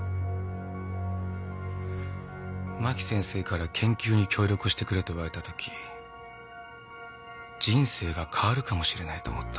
真木先生から研究に協力してくれと言われた時人生が変わるかもしれないと思った。